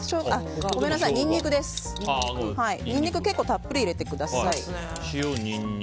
ニンニク、結構たっぷり入れてください。